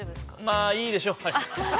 ◆まあ、いいでしょう。